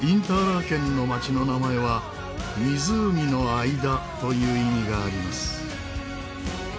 ラーケンの街の名前は「湖の間」という意味があります。